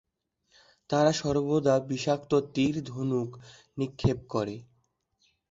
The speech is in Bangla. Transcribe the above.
তারা সর্বদা বিষাক্ত তীর-ধনুক নিক্ষেপ করে।